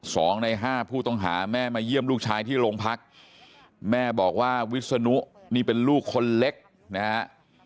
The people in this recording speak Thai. สองในห้าผู้ต้องหาแม่มาเยี่ยมลูกชายที่โรงพักแม่บอกว่าวิศนุนี่เป็นลูกคนเล็กนะฮะ